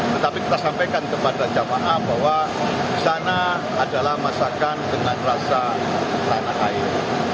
tetapi kita sampaikan kepada jamaah bahwa di sana adalah masakan dengan rasa tanah air